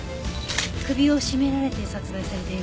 首を絞められて殺害されたようね。